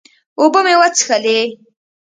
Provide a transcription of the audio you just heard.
اوبۀ مې وڅښلې